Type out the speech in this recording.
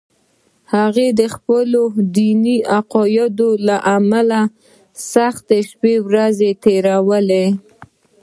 هغه د خپلو دیني عقایدو له امله سختې شپې ورځې تېرولې